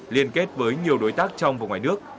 liên kết với nhiều đối tác trong và ngoài nước